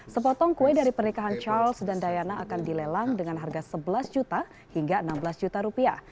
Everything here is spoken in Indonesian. sepotong kue dari pernikahan charles dan diana akan dilelang dengan harga sebelas juta hingga enam belas juta rupiah